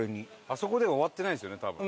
あそこで終わってないですよね多分。